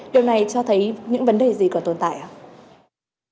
điều này cho thấy những vấn đề gì còn tồn tại ạ